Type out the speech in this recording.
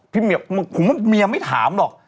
พี่เมียมียังไม่ถามหรอก